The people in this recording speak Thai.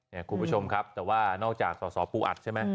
คุณผู้ชมครับแต่ว่านอกจากสอสอปูอัดใช่ไหม